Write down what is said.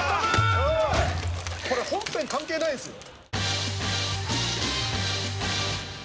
「これ本編関係ないんですよ」